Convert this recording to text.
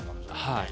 はい。